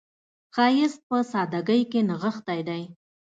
ښایست په سادګۍ کې نغښتی دی